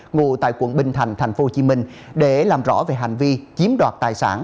ngụ tại quận bình thành tp hcm để làm rõ về hành vi chiếm đoạt tài sản